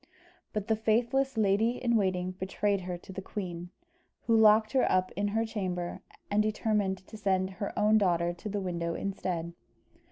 But the faithless lady in waiting betrayed her to the queen, who locked her up in her chamber, and determined to send her own daughter to the window instead.